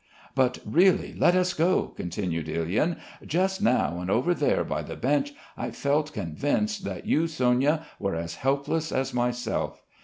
"But really let us go," continued Ilyin. "Just now and over there by the bench I felt convinced that you, Sonia, were as helpless as myself.